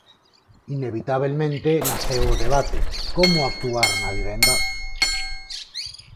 Inevitabelmente naceu o debate: como actuar na vivenda?